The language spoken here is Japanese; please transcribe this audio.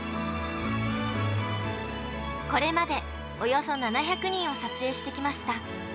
これまでおよそ７００人を撮影してきました。